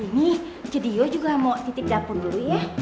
ini studio juga mau titip dapur dulu ya